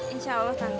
insya allah tante